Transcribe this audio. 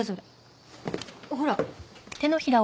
ほら。